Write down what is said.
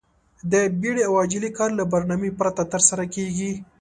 د بيړې او عجلې کار له برنامې پرته ترسره کېږي.